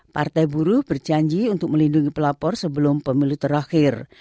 partai buruh berjanji untuk melindungi pelapor sebelum pemilu terakhir